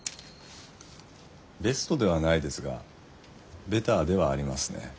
ベストではないですがベターではありますね。